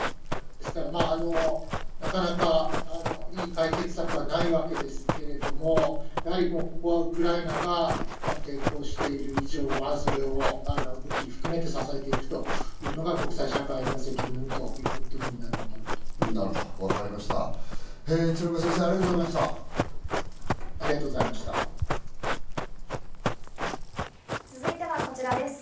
ですからなかなかいい解決策はないわけですけれども、ここはウクライナが抵抗している以上は武器を含めて支えていくというのが国際社会の責任ということになるんだろうと思います。